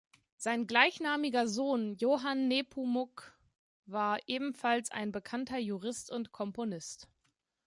Sein gleichnamiger Sohn Johann Nepomuk war ebenfalls ein bekannter Jurist und Komponist.